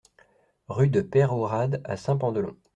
Route de Peyrehorade à Saint-Pandelon